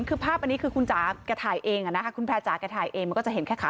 คือภาพอันนี้คือคุณจ๋าแกถ่ายเองคุณแพร่จ๋าแกถ่ายเองมันก็จะเห็นแค่ขา